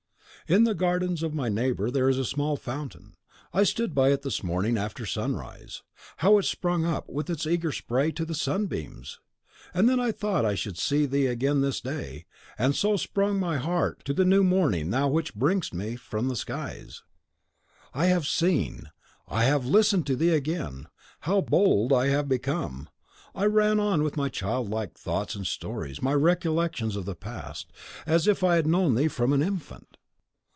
.... "In the gardens of my neighbour there is a small fountain. I stood by it this morning after sunrise. How it sprung up, with its eager spray, to the sunbeams! And then I thought that I should see thee again this day, and so sprung my heart to the new morning which thou bringest me from the skies. .... "I HAVE seen, I have LISTENED to thee again. How bold I have become! I ran on with my childlike thoughts and stories, my recollections of the past, as if I had known thee from an infant.